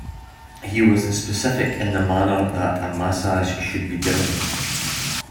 He was specific in the manner that a massage should be given.